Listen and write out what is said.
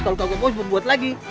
kalo kak bos membuat lagi